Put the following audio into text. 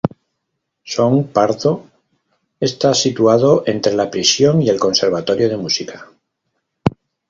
Son Pardo está situado entre la prisión y el conservatorio de música.